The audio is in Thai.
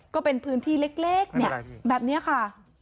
ก็เป็นพื้นที่เล็กเนี่ยแบบนี้ค่ะ